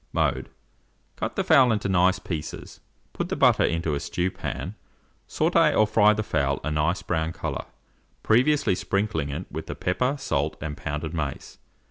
Mode. Cut the fowl into nice pieces; put the butter into a stew pan; sautez or fry the fowl a nice brown colour, previously sprinkling it with pepper, salt, and pounded mace.